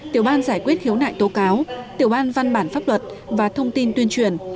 tiểu ban giải quyết khiếu nại tố cáo tiểu ban văn bản pháp luật và thông tin tuyên truyền